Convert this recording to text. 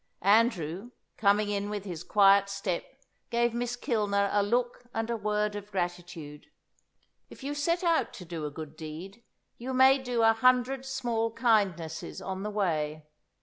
Andrew, coming in with his quiet step, gave Miss Kilner a look and a word of gratitude. If you set out to do a good deed, you may do a hundred small kindnesses on the way.